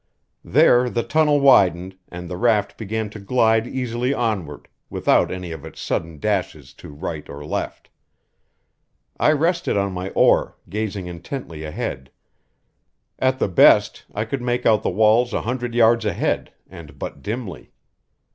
There the tunnel widened, and the raft began to glide easily onward, without any of its sudden dashes to right or left. I rested on my oar, gazing intently ahead; at the best I could make out the walls a hundred yards ahead, and but dimly.